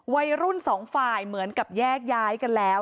วัยรุ่นสองฝ่ายเหมือนกับแยกย้ายกันแล้ว